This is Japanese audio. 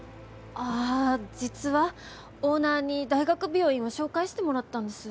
あ実はオーナーに大学病院を紹介してもらったんです。